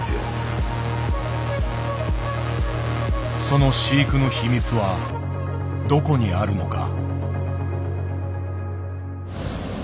その飼育の秘密はどこにあるのか。